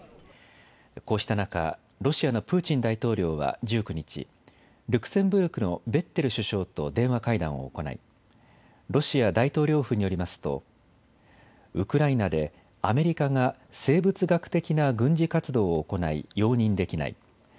こうした中、ロシアのプーチン大統領は１９日、ルクセンブルクのベッテル首相と電話会談を行いロシア大統領府によりますとウクライナでアメリカが生物学的な軍事活動を行い容認できない。